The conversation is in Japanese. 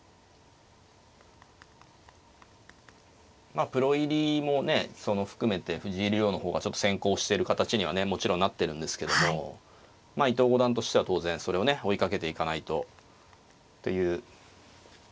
まあプロ入りもねその含めて藤井竜王の方がちょっと先行をしてる形にはねもちろんなってるんですけども伊藤五段としては当然それをね追いかけていかないとというねこれからの。